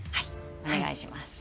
お願いします。